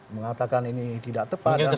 mengatakan ini tidak tepat dan sebagainya